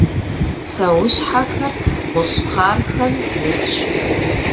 Псэущхьэхэр гъущӏхъархэм исщ.